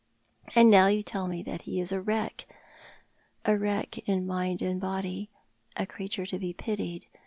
And now you tell me that he is a wreck — a wreck in mind and body — a creature to be pitied.